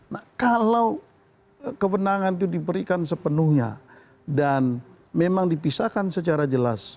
nah kalau kewenangan itu diberikan sepenuhnya dan memang dipisahkan secara jelas